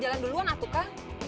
jalan duluan atuka